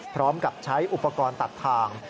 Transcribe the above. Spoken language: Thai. พร้อมกับใช้อุปกรณ์ตัดทาง